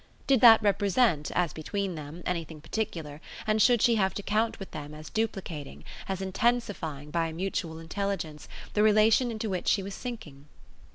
Did that represent, as between them, anything particular, and should she have to count with them as duplicating, as intensifying by a mutual intelligence, the relation into which she was sinking?